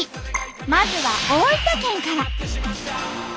まずは大分県から。